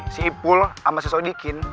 si ipul sama si sodikin